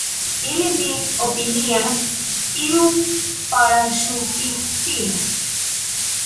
Ili min opinias iu paraŝutistino.